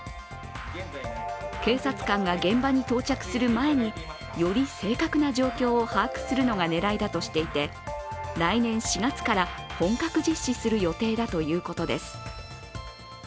警察官が現場に到着する前により正確な状況を把握するのが狙いだとしていて来年４月から本格実施する予定だということです。